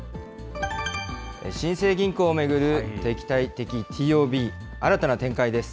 新生銀行を巡る敵対的ＴＯＢ、新たな展開です。